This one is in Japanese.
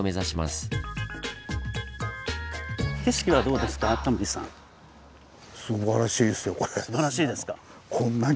すばらしいですよこれ。